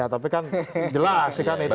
ya tapi kan jelas kan itu orang memilih